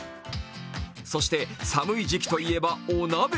そして寒い時期と言えばお鍋。